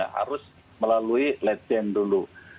harus melalui lieutenant dulu